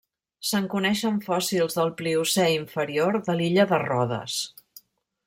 Se'n coneixen fòssils del Pliocè inferior de l'illa de Rodes.